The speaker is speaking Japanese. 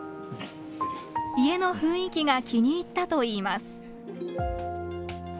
家の雰囲気が気に入ったといいます。